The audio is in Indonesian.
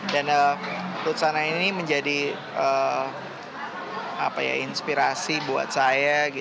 dan ruth sahanaya ini menjadi inspirasi buat saya